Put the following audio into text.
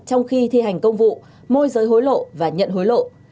trong khi thi hành công vụ môi giới hối lộ và nhận hối lộ